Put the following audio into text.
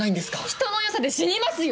人の良さで死にますよ